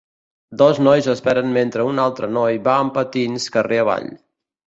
Dos nois esperen mentre un altre noi va amb patins carrer avall.